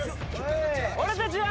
俺たちは。